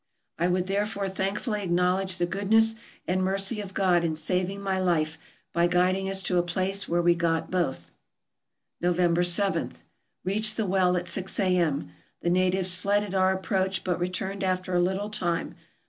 I would there fore thankfully acknowledge the goodness and mercy of God in saving my life by guiding us to a place where we got both. November y. — Reached the well at six A.M. The natives fled at our approach, but returned after a little time.